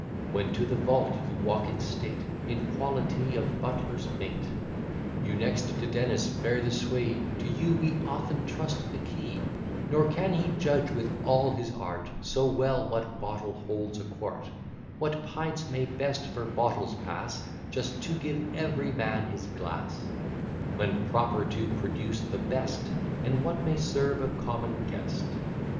When to the vault you walk in state, In quality of butler's mate; You next to Dennis bear the sway: To you we often trust the key: Nor can he judge with all his art So well, what bottle holds a quart: What pints may best for bottles pass Just to give every man his glass: When proper to produce the best; And what may serve a common guest.